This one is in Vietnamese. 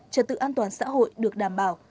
trật tự an toàn xã hội được đảm bảo